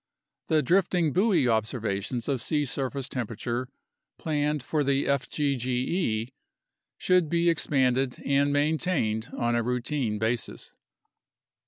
The drifting buoy observations of sea surface temperature planned for the fgge should be expanded and maintained on a routine basis.